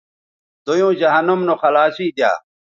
دویوں جہنم نو خلاصی دی یا